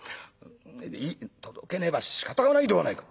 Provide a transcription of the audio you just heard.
「届けねばしかたがないではないか。